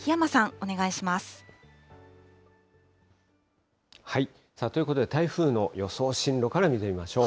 おということで、台風の予想進路から見てみましょう。